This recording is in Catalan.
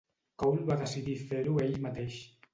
Cole va decidir fer-ho ell mateix.